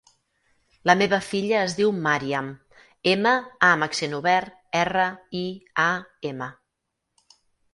La meva filla es diu Màriam: ema, a amb accent obert, erra, i, a, ema.